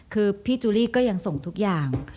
คือพี่จูรีก็ยังส่งทุกอย่าง